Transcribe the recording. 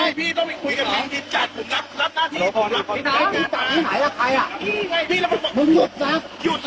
นับเกียร์ก่อนอย่าเพิ่งเตอร์ไปไหน